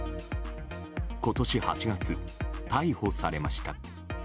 今年８月、逮捕されました。